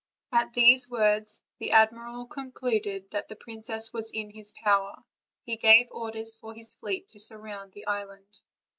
At these words the admiral concluded that the princess was in his power; he gave orders for his fleet to surround the island.